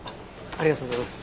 ありがとうございます。